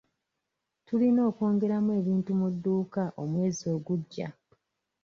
Tulina okwongeramu ebintu mu dduuka omwezi ogujja.